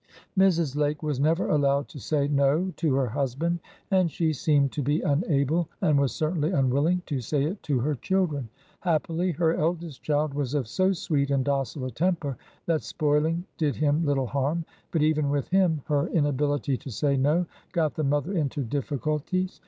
Mrs. Lake was never allowed to say no to her husband, and she seemed to be unable, and was certainly unwilling, to say it to her children. Happily, her eldest child was of so sweet and docile a temper that spoiling did him little harm; but even with him her inability to say no got the mother into difficulties.